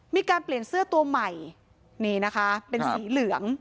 มีการเปลี่ยนเสื้อตัวใหม่นี่นะคะเป็นสีเหลือง